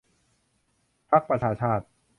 พรรคประชาชาติ